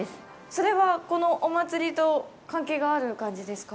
それは、このお祭りと関係がある感じですか？